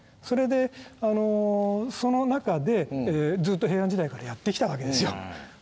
それでその中でずっと平安時代からやってきたわけですよ。